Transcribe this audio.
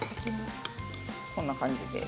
こんな感じです。